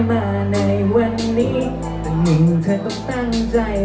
เขาไม่รักเธอแล้วทั้งกายทั้งใจ